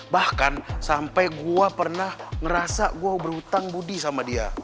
bahkan sampai gue pernah ngerasa gue berhutang budi sama dia